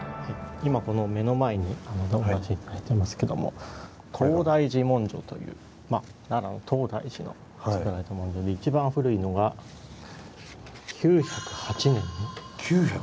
今この目の前に置かせて頂いてますけども東大寺文書という奈良の東大寺の作られた文書で一番古いのが９０８年！？